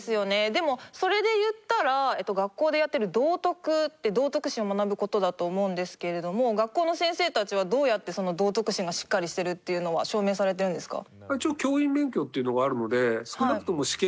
でもそれで言ったら学校でやってる道徳って道徳心を学ぶ事だと思うんですけれども学校の先生たちはどうやって道徳心がしっかりしてるっていうのは証明されてるんですか？